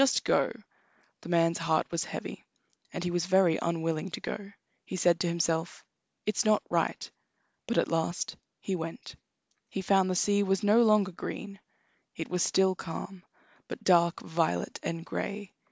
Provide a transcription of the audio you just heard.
Just go!" The man's heart was heavy, and he was very unwilling to go. He said to himself: "It's not right." But at last he went. He found the sea was no longer green; it was still calm, but dark violet and gray.